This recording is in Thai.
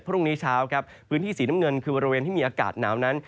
พรุ่งนี้เช้าครับพื้นที่สีน้ำเงินคือบริเวณที่มีอากาศหนาวนั้น